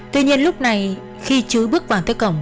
tuy nhiên lúc này khi chứ bước vào tới cổng